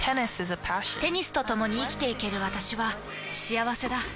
テニスとともに生きていける私は幸せだ。